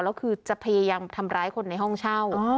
แล้วคือจะพยายามทำร้ายคนในห้องเช่า